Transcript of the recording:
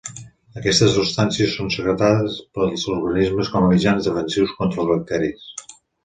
Aquestes substàncies són secretades pels organismes com a mitjans defensius contra els bacteris.